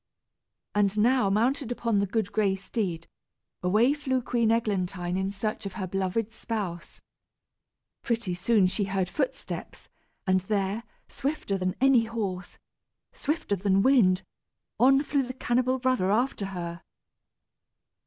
And now, mounted upon the good gray steed, away flew Queen Eglantine in search of her beloved spouse. Pretty soon she heard footsteps, and there, swifter than any horse, swifter than wind, on flew the cannibal brother after her.